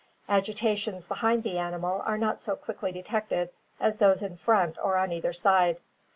Agitations behind the animal are not so quickly detected as those in front or on either side.